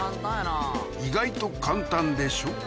意外と簡単でしょ？